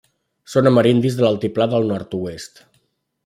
Són amerindis de l'altiplà del Nord-oest.